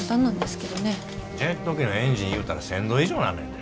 ジェット機のエンジンいうたら１，０００度以上になんねんで。